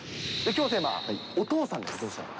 きょうのテーマ、お父さんです。